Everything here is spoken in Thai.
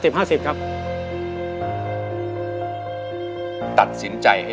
พี่ต้องรู้หรือยังว่าเพลงอะไร